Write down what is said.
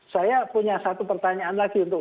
saya punya satu pertanyaan lagi untuk